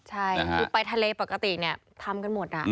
ใช่คือไปทะเลปกติเนี่ยทำกันหมด